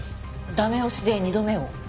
駄目押しで２度目を？